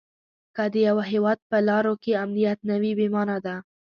که د یوه هیواد په لارو کې امنیت نه وي بې مانا ده.